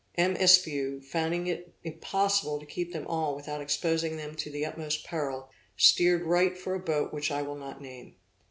M. Espiau, finding it impossible to keep them all without exposing them to the utmost peril, steered right for a boat which I will not name.